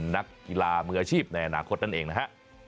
นักกีฬามืออาชีพในอนาคตนั่นเองนะฮะ